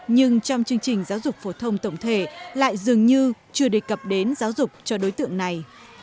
nhưng trong chương trình giáo dục phổ thông tổng thể lại dường như chưa đề cập đến giáo dục cho đối tượng này